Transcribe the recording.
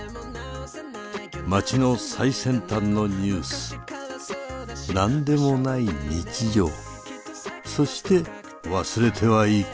街の最先端のニュース何でもない日常そして忘れてはいけない教訓。